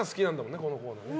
このコーナー。